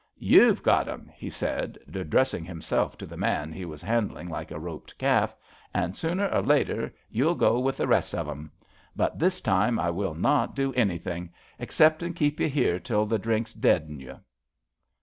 You've got 'em,'^ 108 ABAFT THE FUNNEL he said^ addressing himself to the man he was handling like a roped calf, an' sooner or later you'll go with the rest of 'em. But this time I will not do anything — exceptin' keep you here till the drink's dead in you."